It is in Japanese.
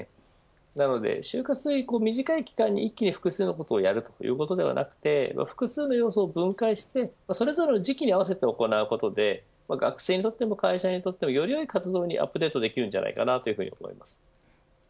なので、就活という短い期間に一気に複数のことをやるのではなく複数の要素を分解してそれぞれの時期に合わせて行うことで学生にとっても会社にとってもよりよい活動にアップデートできるんじゃないかと思います。